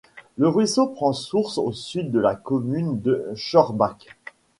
Le ruisseau prend source au Sud de la commune de Schorbach.